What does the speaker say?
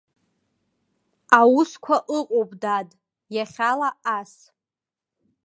Аусқәа ыҟоуп, дад, иахьала ас.